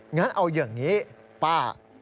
งั้นเอาอย่างนี้ป้า